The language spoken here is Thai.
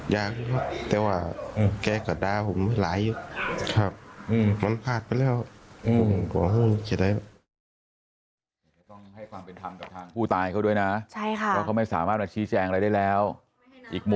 อยากขอโทษหรืออะไรไหม